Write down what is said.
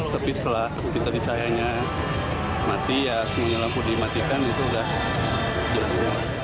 tapi setelah kita di cahayanya mati ya semuanya lampu dimatikan itu udah jelas